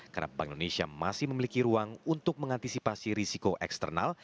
karena bank indonesia masih memiliki ruang untuk mengantisipasi risiko eksternal